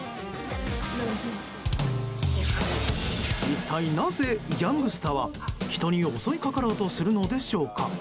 一体なぜギャングスタは人に襲いかかろうとするのでしょうか。